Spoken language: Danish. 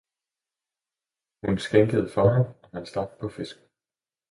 Hun skænkede for ham og han stak på fisken.